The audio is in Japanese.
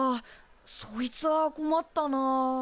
そいつは困ったなあ。